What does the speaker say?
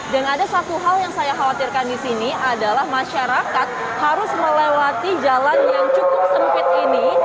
ada satu hal yang saya khawatirkan di sini adalah masyarakat harus melewati jalan yang cukup sempit ini